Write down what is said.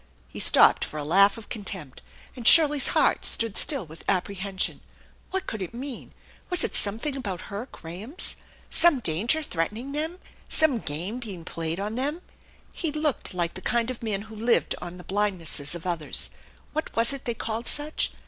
He stopped for a laugh of con tempt, and Shirley's heart stood still with apprehension. What could it mean ? Was it something about her Grahams ? Some danger threatening them ? Some game being played on them? He looked like the kind of man who lived on the blindnesses of others. What was it they called such?